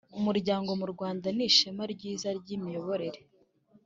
umuryango mu Rwanda nishema ryiza ryimiyoborere